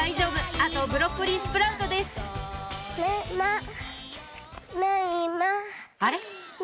あとブロッコリースプラウトですあれ？